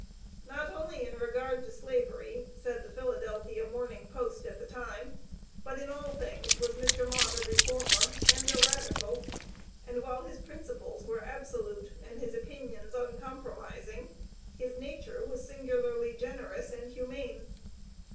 "Not only in regard to Slavery," said the "Philadelphia Morning Post," at the time, "but in all things was Mr. Mott a reformer, and a radical, and while his principles were absolute, and his opinions uncompromising, his nature was singularly generous and humane.